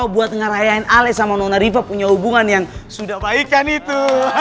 buat ngerayain ale sama nona riva punya hubungan yang sudah baik kan itu